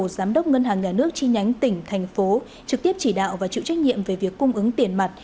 giám đốc ngân hàng nhà nước chi nhánh tỉnh thành phố trực tiếp chỉ đạo và chịu trách nhiệm về việc cung ứng tiền mặt